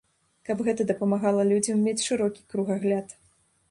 Каб гэта дапамагала людзям мець шырокі кругагляд.